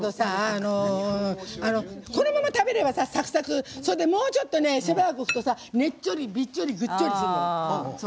このまま食べればサクサクもうちょっと、しばらくするとねっちょり、びっちょりぐっちょりするんだよ。